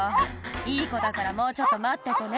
「いい子だからもうちょっと待っててね」